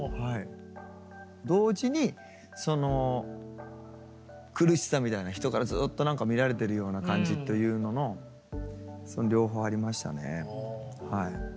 同時にその苦しさみたいな人からずっと何か見られてるような感じというののその両方ありましたねはい。